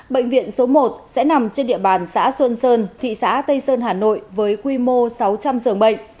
bệnh viện số một sẽ nằm trên địa bàn xã xuân sơn thị xã tây sơn hà nội với quy mô sáu trăm linh giường bệnh